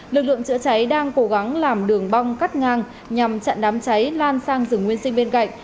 lực lượng chữa cháy đang cố gắng làm đường bong cắt ngang nhằm chặn đám cháy lan sang rừng nguyên sinh bên cạnh